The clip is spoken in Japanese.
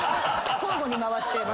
交互に回してます。